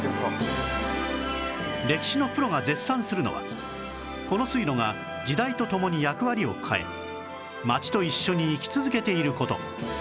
歴史のプロが絶賛するのはこの水路が時代とともに役割を変え町と一緒に生き続けている事